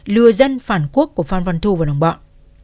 lừa dân phản quốc của phan văn thu và đồng bọn